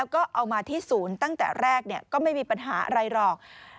ก็เอามาที่ศูนย์ตั้งแต่แรกก็ไม่มีปัญหาอะไรหรอก